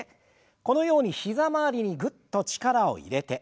このように膝周りにぐっと力を入れて。